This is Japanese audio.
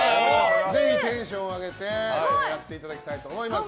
ぜひテンションを上げてやっていただきたいと思います。